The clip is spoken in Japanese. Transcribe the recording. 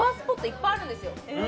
いっぱいあるんですよ